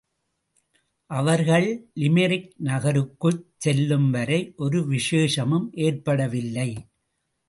அவர்கள் லிமெரிக் நகருக்குச் செல்லும் வரை ஒரு விசேஷமும் ஏற்படவுமில்லை.